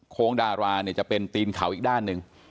โค้งดาราเนี่ยจะเป็นตีนเขาอีกด้านหนึ่ง